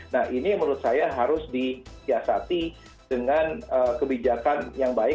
nah ini menurut saya harus disiasati dengan kebijakan yang baik